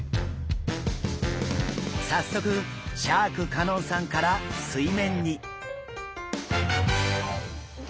早速シャーク香音さんから水面に。